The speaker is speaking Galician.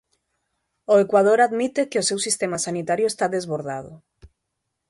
O Ecuador admite que o seu sistema sanitario está desbordado.